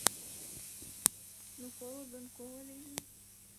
Ну, коло гын, коло лийже...